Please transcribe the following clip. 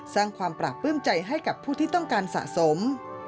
สร้างความปราบปลื้มใจให้กับผู้ที่ต้องการสะสม